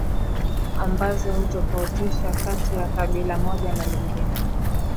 ambazo hutofautisha kati ya kabila moja na lingine